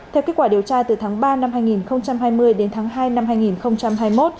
theo kết quả điều tra từ tháng ba năm hai nghìn hai mươi đến tháng hai năm hai nghìn hai mươi một